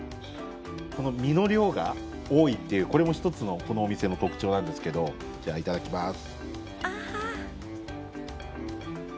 この身の量が多いっていうこれも１つのこのお店の特徴なんですけどじゃあ、いただきます。